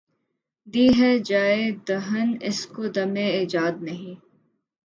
دی ہے جایے دہن اس کو دمِ ایجاد ’’ نہیں ‘‘